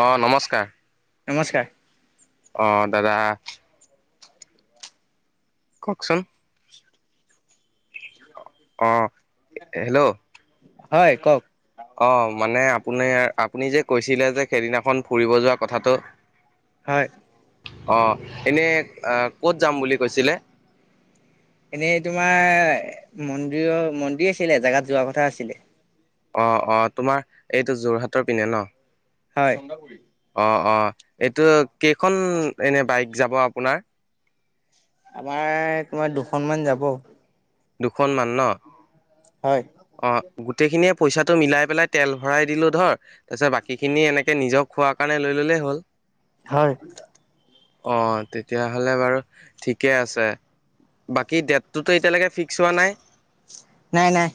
অ', নমস্কাৰ। নমস্কাৰ অ', দাদা কওঁকচোন। অ', হেল্ল'। হয়, কওঁক। অ', মানে আপুনি আপুনি যে কৈছিলে যে সেইদিনাখন ফুৰিব যোৱা কথাটো। হয়। অ', এনে ক'ত যাম বুলি কৈছিলে? এনেই তোমাৰ মন্দিৰৰ মন্দিৰ আছিলে এজাগাত যোৱা কথা আছিলে। অ', অ', তোমাৰ এইটো যোৰহাটৰ পিনে ন? হয়। অ', অ', এইটো কেইখন এনে বাইক যাব আপোনাৰ? আমাৰ তোমাৰ দুখনমান যাব। দুখনমান ন? হয় অ', গোটেইখিনিয়ে পইচাটো মিলাই পেলাই তেল ভৰাই দিলো ধৰ। তাৰপিছত বাকীখিনি এনেকে নিজক খোৱাৰ কাৰণে লৈ ল'লেই হ'ল। হয় অ', তেতিয়াহ'লে বাৰু ঠিকে আছে। বাকী ডেটটোতো এতিয়ালৈকে ফিক্স হোৱা নাই নাই নাই।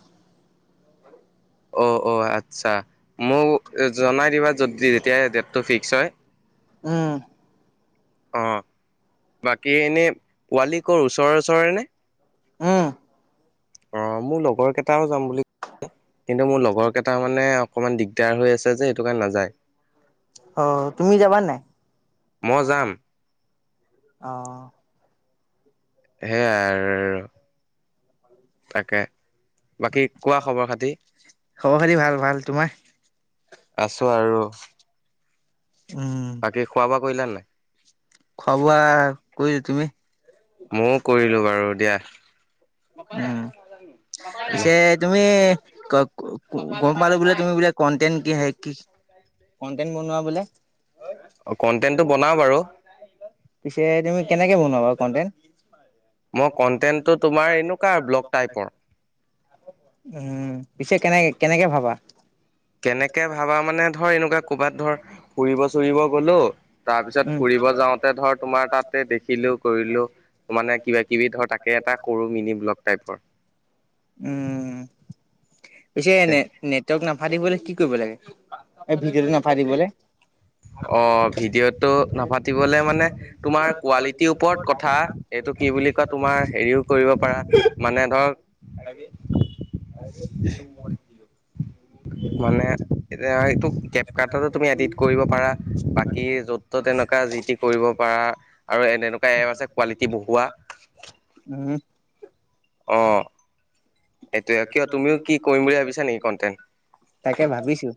অ', অ', আচ্ছা। মোক জনাই দিবা যদি যেতিয়া ডটটো ফিক্স হয়। উম। অ'। বাকী এনে পোৱালি ওচৰে ওচৰে নে? উম অ', মোৰ লগৰ কেইটাও যাম বুলি কিন্তু মোৰ লগৰ কেইটা মানে অকণমান দিগদাৰ হৈ আছে যে সেইটো কাৰণে নাযায়। অ', তুমি যাবা নাই মই যাম আহ। সেইয়ায়ে আৰু। তাকে বাকী কোৱা খবৰ খাতি? খবৰ খাতি ভাল ভাল তোমাৰ আছো আৰু। উম, বাকী খোৱা বোৱা কৰিলা নাই? খোৱা বোৱা কৈৰিলা তুমি? মইও কৰিলো বাৰু দিয়া। উম, পিছে তুমি গ'ম পালো বোলে তুমি বোলে কন্টেন্ট কি কি কন্টেন্ট বনোৱা বোলে? কন্টেন্টটো বনাও বাৰু পিছে তুমি কেনেকে বনোৱা বাৰু কন্টেণ্ট? মই কটেন্টটো তোমাৰ এনেকুৱা ব্লগ টাইপৰ উম, পিছে কেনেকে কেনেকে ভাবা? কেনেকে ভাবা মানে ধৰ এনেকুৱা ক'ৰবাত ধৰ ফুৰিব চুৰিব গ'লো তাৰ পিছত উম, ফুৰিব যাওঁতে ধৰ তোমাৰ তাতে দেখিলো কৰিলো ত মানে কিবা কিবি ধৰ তা একে এটা সৰু মিনি ব্লগ টাইপৰ উম। পিছে না নেটৱৰ্ক নাফাতিবলৈ কি কৰিব লাগে, অ' ভিডিঅ'টো নাফাতিবলৈ? অ' ভিডিঅ'টো নাফাতিবলৈ মানে তোমাৰ কোৱালিটিৰ ওপৰত কথা। এইটো কি বুলি কয় তোমাৰ হেৰিও কৰিব পাৰা। মানে ধৰ [unintelligible] উ [unintelligible] মানে এ এই কেপকাৰ্টত তুমি এডিট কৰিব পাৰা। বাকী য'ত তেনেকুৱা যি টি কৰিব পাৰা, আৰু এনেকুৱা এপ আছে কোৱালিটি বহুৱা উম অ'। এইটোয়ে কিয় তুমিও কি কৰিম বুলি ভাবিছা নেকি কন্টেণ্ট? তাকে ভাবিছো।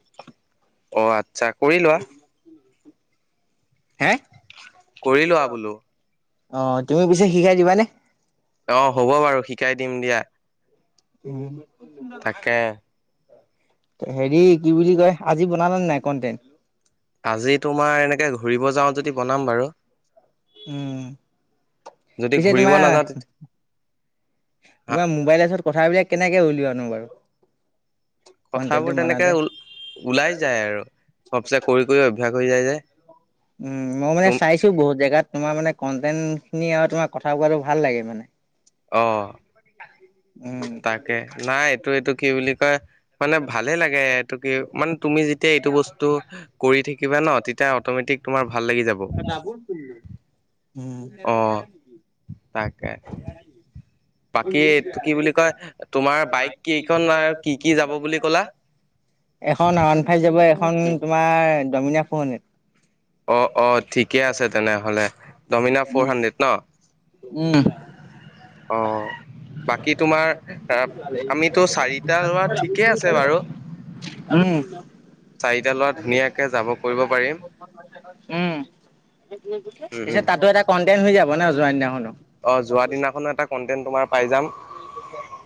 অ' আচ্ছ কৰি লোৱা। হেঁ। কৰি লোৱা বোলো অ', তুমি পিছে শিকাই দিবাানে? অ' হ'ব বাৰু শিকাই দিম দিয়া। উম। তাকে হেৰি কি বুলি কয় আজি বনালে নাই কণ্টেণ্ট আজি তোমাৰ এনেকে ঘূৰিব যাওঁ যদি বনাম বাৰু। উম, যদি পিছে ঘূৰিব তোমৰ নাযাওঁ তেতিয়া বা মোবাইলৰ ওচৰত কথা বিলাক কেনেকে হ'লওনো বাৰু? কন্টেন্টটো কথাবোৰ তেনেকে বনাওঁতে? ওলাই যায় আৰু, অফ চে কৰি কৰি অভ্যাস হৈ যায় যে। উম, মই মানে তুম চাইছো বহুত জেগাত তোমাৰ মানে কন্টেন্ট খিনি আৰু তোমাৰ কথা কোৱাটো ভাল লাগে মানে। অ'। উম, তাকে, নাই এইটো এইটো কি বুলি কয়। মানে ভালে লাগে, এইটো কি মানে তুমি যেতিয়া এইটো বস্তু কৰি থাকিবা ন তেতিয়া অট'মেটিক তোমাৰ ভাল লাগি যাব। ক'ত গ'লি? অ উম তাকে। বাকী এইটো কি বুলি কয় তোমাৰ বাইক কেইখন আৰু কি কি যাব বুলি ক'লা? [inaudible] এখন ওৱান ফাইভ যাব, এখন তোমাৰ ড'মিনা ফ'ৰ হাণ্ড্ৰেড। অ', অ', ঠিকে আছে তেনেহ'লে। ড'মিনা ফ'ৰ উম হাণ্ড্ৰেড ন'? উম। অ'। বাকী তোমাৰ [inaudible] আমিতো চাৰিটা ল'ৰা ঠিকে আছে বাৰু আমি চাৰিটা ল'ৰা ধুনীয়াকে যাব কৰিব পাৰিম। উম, উম, পিছে উম। তাতো এটা কন্টেট হৈ যাব ন', যোৱা দিনাখনো? অ', যোৱা দিনাখনো এটা কন্টেণ্ট তোমাৰ পাই যাম।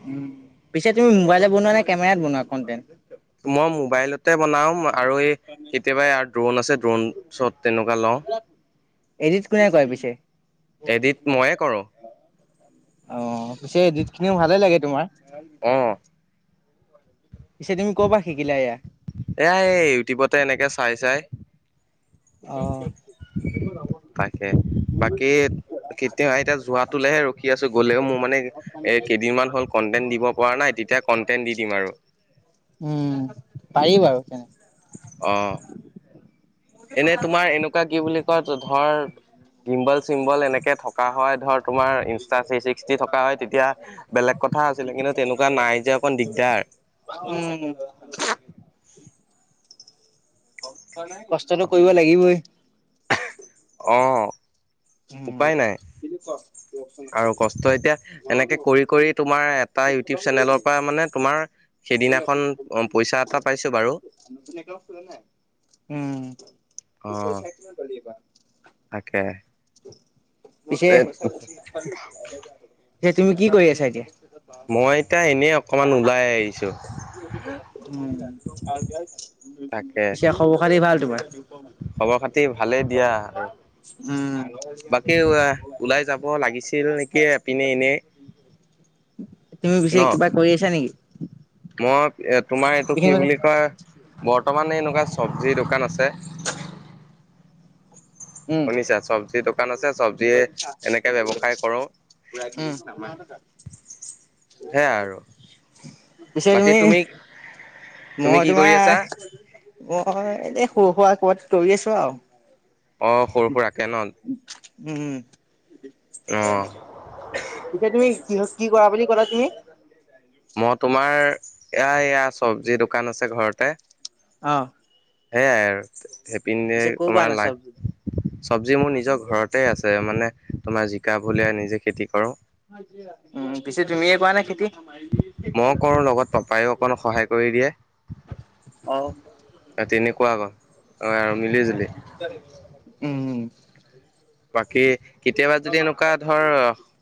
উম, পিছে তুমি মোবাইলত বনোৱা নে কেমেৰাত বনোৱা কনটেণ্ট? মই মোবাইলতে বনাওঁ, আৰু এই কেতিয়াবা দ্ৰোন আছে, দ্ৰোন শ্বট তেনেকুৱা লওঁ, এডিট কোনে কৰে পিছে এডিট ময়ে কৰোঁ। অ', পিছে এডিটখিনিও ভালে লাগে তোমাৰ। অ'। পিছে তুমি ক'ৰ পৰা শিকিলা এয়া? এয়া এই ইউটিউবতে এনেকে চাই চাই। অ'। তাকে। বাকী কেতিয়া হয় তাত যোৱাটোলেহে ৰখি আছো। গ'লেও মোৰ মানে এই কেইদিনমান হ'ল কন্টেণ্ট দিব পৰা নাই, তেতিয়া কণ্টেণ্ট দি দিম আৰু। উম। পাৰি বাৰু তেনে অ'। এনে তোমাৰ এনেকুৱা কি বুলি কয়, ধৰ চিম্বল, চিম্বল, এনেকে থকা হয় ধৰ, তোমাৰ ইনষ্টা থ্ৰী ছিক্সটি থকা হয়, তেতিয়া বেলেগ কথা আছিলে, কিন্তু তেনেকুৱা নাই যে অকণ দিগদাৰ। উম। কষ্টটো কৰিব লাগিবই। অ'। উপায় নাই উম। আৰু কষ্ট এতিয়া [inaudible] এনেকে কৰি কৰি তোমাৰ, এটা ইউটিউব চেনেলৰ পৰা মানে তোমাৰ সেইদিনাখন অ পইচা এটা পাইছো বাৰু। নতুন এটাও খোলা নাই? উম। অ', তাকে। পিছে, এতিয়া তুমি কি কৰি আছা এতিয়া? মই এতিয়া এনেই অকণমান ওলাই আহিছোঁ। [inaudible] পিছে খবৰ-খাতি ভাল তোমাৰ? খবৰ-খাতি ভালেই দিয়া আৰু। বাকী উম। ওলাই যাব লাগিছিল নেকি এপিনে এনেই [inaudible] তুমি ন পিছে কিবা কৰি আছা নেকি? মই তোমাৰ এইটো এইখিনি কি কথা বুলি কয়, বৰ্তমান এনেকুৱা চব্জিৰ দোকান আছে। [inaudible] উম। শুনিছা চব্জি দোকান আছে চব্জিয়ে ম'বাইলটো চা এনেকে ব্যৱসায় কৰো [unintelligible] [unintelligible] উম [unintelligible] সেয়াই আৰু পিছে তুমি, তুমি মই কি কৰি তোমাৰ আছা মই এনে সৰু সুৰা ক'বাত কৰি আছোঁ আৰু। অ', সৰু সুৰাকে ন'? উম। অ [inaudible] পিছে তুমি কিহত কি কৰা বুলি ক'লা তুমি? [unintelligible] মই তোমাৰ এয়া, এয়া চব্জি দোকান আছে ঘৰতে। অ'। সেইয়াই আৰু পিছে ক'ৰ পৰা তোমাৰ আনা চব্জি? চবজি মোৰ নিজৰ ঘৰত তাতে আছে মানে তোমাৰ জিকা ভুলিয়াই নিজে খেতি কৰোঁ। উম, পিছে তুমিয়ে কৰা নাই খেতি? মই কৰো লগত পাপায়ো অকণ সহায় কৰি দিয়ে। অ' তেনেকুৱা আকৌ আৰু মিলি জুলি। উম' বাকী কেতিয়াবা যদি এনেকুৱা ধৰ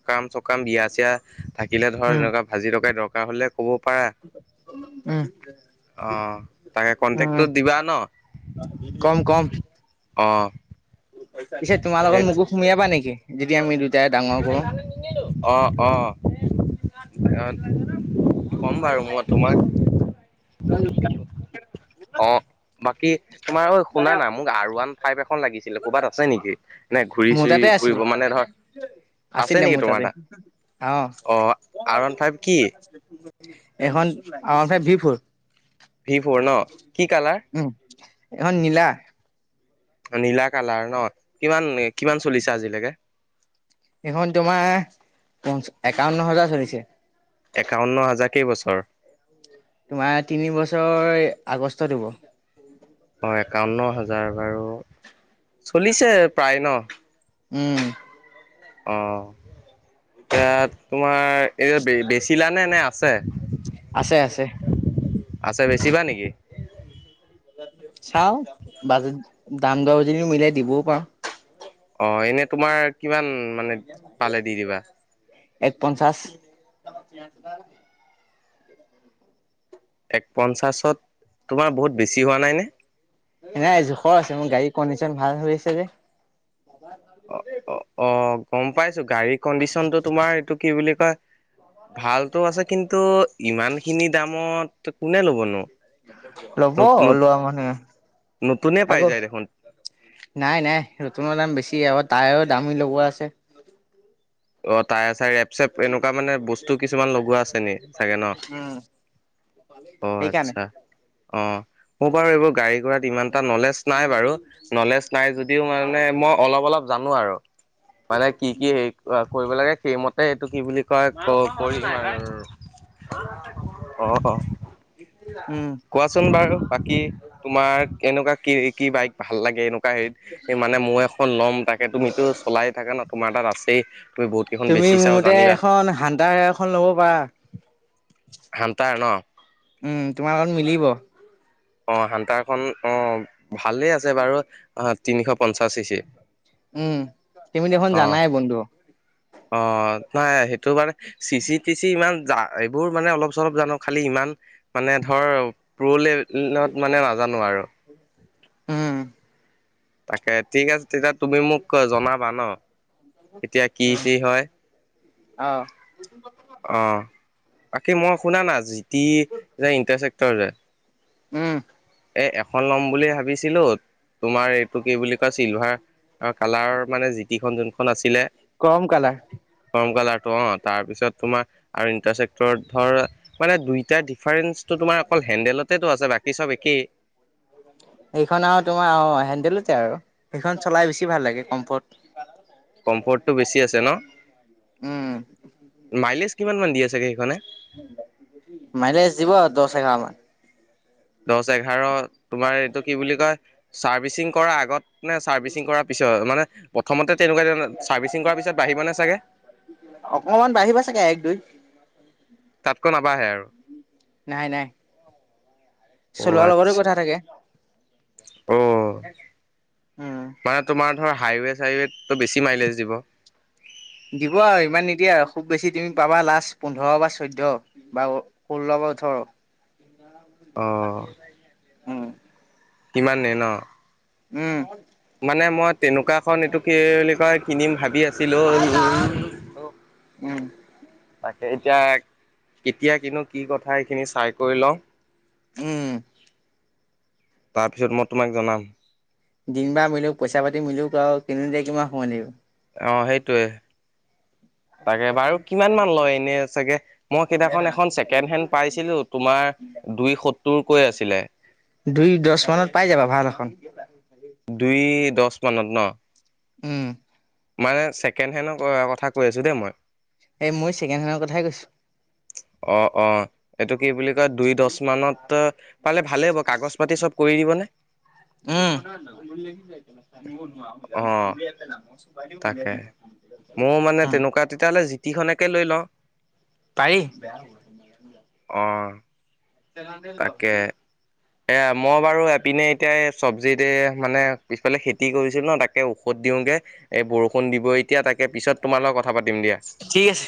সকাম-চকাম বিয়া চিয়া থাকিলে ধৰ উম, এনেকুৱা ভাজি থকাই দৰকাৰ হলে ক'ব পাৰা উম। অ' তাকে কন্টেক্টটো উম', দিবা ন কম কম অ' পিছে তোমাৰ লগত সেই মোকো নিবা নেকি? যেতিয়া আমি দুটাই ডাঙৰ কৰো অ', অ' কম বাৰু মই তোমাক। য [unintelligible] অ' বাকী তোমাৰ, অ' শুনা না মোক আৰ ওৱান ফাইভ এখন লাগিছিলে ক'বাত আছে নেকি? নে ঘূৰি মোৰ চুৰি তাতে আছিলে। ফুৰিব মানে ধৰ আছে আছিলে নেকি মোৰ তোমাৰ তাতে, তাত? অ'। আৰ ওৱান ফাইভ কি এইখন R one five V four. V four ন, কি কালাৰ? উম, এইখন নীলা। নীলা কালাৰ ন, কিমান? কিমান চলিছে আজিলৈকে? এইখন তোমাৰ পন একাৱন্ন হাজাৰ চলিছে। একাৱন্ন হাজাৰ কেইবছৰ? তোমাৰ তিনি বছৰ আগষ্টত হ'ব। অ', একাৱন্ন হাজাৰ বাৰু, চলিছে প্ৰায় ন? উম। অ', এই তোমাৰ, এই বেছিলা নে নে আছে? আছে আছে। আছে, বেছিবা নেকি? চাওঁ, বাজেত দাম দৰ যদি মিলে দিবও পাৰোঁ। অ', এনে তোমাৰ কিমান মানে পালে দি দিবা? এক পঞ্চাশ। উ [unintelligible] এক পঞ্চাছত, তোমাৰ বহুত বেছি হোৱা নাইনে? নাই জোখৰ আছে, মোৰ গাড়ীৰ কণ্ডিচন ভাল হৈ আছে যে। অ', অ', অ', গম পাইছোঁ, গাড়ীৰ কণ্ডিশনটো তোমাৰ এইটো কি বুলি কয় ভালটো আছে, কিন্তু ইমানখিনি দামত কোনে ল'বনো? ল'ব লোৱা মানুহে। নতুনেই পাই আকৌ যায় দেখোন। নাই নাই নতুনৰ দাম বেছি, আকৌ টায়াৰো দামী লগোৱা আছে। অ', তায়াৰ চায়াৰ, ৰেপ চেপ এনেকুৱা মানে বস্তু কিছুমান লগোৱা আছে নেকি? চাগে ন? উম অ', সেইকাৰণে আচ্ছা অহ। মোৰ বাৰু এইবোৰ গাড়ী গুৰাত ইমান এটা নলেজ নাই বাৰু। নলেজ নাই যদিও মানে, মই অলপ অলপ জানো আৰু, মানে কি কি হেৰি কৰিব লাগে, সেইমতে এইটো কি বুলি কয়, কৰি অ'। উম। কোৱাচোন বাৰু, বাকী তোমাৰ এনেকুৱা কি কি বাইক ভাল লাগে? এনেকুৱা হেৰিত মানে মই এখন ল'ম, তাকে তুমিতো চলাই থাকা ন, তোমাৰ তাত আছেই। তুমি বহুত কেইখন তুমি মোৰ বেচিছাও মতে জানিবা এখন, হানতাৰৰ এখন ল'ব পাৰা। হাণ্টাৰ ন? উম, তোমাৰ লগত মিলিব। অ', হান্তাৰখন অ', ভালেই আছে বাৰু, অ', তিনিশ পঞ্চাশ সি। উম, তুমি দেখোন জানাই বন্ধু। অ', নাই, এইটো মানে চিচি টিচি ইমান জা এইবোৰ মানে অলপ চলপ জানো, খালি ইমান মানে ধৰ প্ৰ লে মানে নাজানো আৰু। উম, তাকে ঠিক আছে, তেতিয়া তুমি মোক জনাবা ন। এতিয়া কি উম, কি হয়? অ', অ', বাকি মই শুনা না, জি টি যে ইণ্টাৰচেক্টৰ যে উম। এই এখন ল'ম বুলি ভাবিছিলোঁ, তোমাৰ টো কি বুলি কয়, চিলভাৰ কালাৰৰ মানে জিটিখন যোনখন আছিলে ক্ৰম কালাৰ। কম কালাৰটো অ', তাৰ পিছত তোমাৰ আৰু ইণ্টাৰচেক্টৰত ধৰ, মানে দুইটা ডিফাৰেন্ঞ্চ তো, তোমাৰ অকল হেন্দলতেতো আছে বাকী চব একেই। সেইখন আৰু তোমাৰ অ, হেন্দেলোতে আৰু সেইখন চলাই বেছি ভাল লাগে কমফৰ্ট। [unintelligible] কমফৰ্টটো বেছি আছে ন উম, মাইলেজ কিমান মান দি আছে গাড়ীখনে। মাইলেজ দিব আৰু দহ, এঘাৰ মান। দহ, এঘাৰ তোমাৰ এইটো কি বুলি কয় চাৰ্ভিচিং কৰাৰ আগত নে চাৰ্ভিচিং কৰাৰ পিছত মানে প্ৰথমতে তেনেকুৱা চাৰ্ভিচিং কৰাৰ পিছত বাঢ়িব নে চাগে। অকনমান বাঢ়িব চাগে এক, দুই। তাতকৈ নাবাহে আৰু। নাই, নাই। অ চলোৱাৰ লগতো আচ্ছা কথা থাকে। অ, উম, মানে তোমাৰ ধৰ হাইৱে, চাইৱো বেছি মাইলেজ দিব। [unintelligible] দিব আৰু ইমান নিদিয়ে আৰু খুব বেছি তুমি পাবা লাষ্ট পোন্ধৰ বা চৈধ্য বা ফওল বা উথৰ [inaudible] অ, উম, কিমান নে, ন। উম। মানে মই তেনেকুৱাখন এইটো কি বুলি কয় কিনিম ভাবি আছিলোঁ। উম। তাকে এতিয়া কেতিয়া কিনো কি কথা এইখিনি চাই কৰি লওঁ। উম। তাৰপিছত মই তোমাক জনাম। দিন বাাৰ মিলো পইচা পাতি মিলোক আৰু কদিন কিমান সমোময় লাগিব। অ, সেইটোৱে তাকে বাৰু কিমান মান লয় এনে চাগে। মই সিদিনাখন এখন ছেকেণ্ড হেণ্ড পাইছিলো তোমাৰ দুই সত্তৰকৈ আছিলে। দুই, দহ মানত পাই যাবা ভাল এখন। দুই, দহ মানত ন। উম। মানে ছেকেণ্ড হেণ্ডৰ কথা কৈ আছোঁ দেই মই। এই মই চেকেণ্ড হেণ্ড কথাই কছোঁ। অ', অ'। এইটো কি বুলি কয় দুই দহ মানত পালে ভালেই হ'ব কাগজ পাতি চব কৰি দিবনে। উ, অঁ ন [inaudible] ময়ও মানে তেনেকুৱা তেতিয়াহ'লে জিটি খনেকে লৈ লওঁ। পাৰি। অ'। তেলানলোৱা এয়া মই বাৰু এপিনে এতিয়া চব্জিতে মানে পিছফালে খেতি কৰিছিলো ন তাকে তাকে ঔষধ দিওঁগে এই বৰষুণ দিব এতিয়া তাকে পিছত তোমাৰ লগত কথা পাতিম দিয়া। ঠিক আছে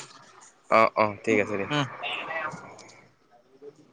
অ', অ', ঠিক আছে দিয়া। উম।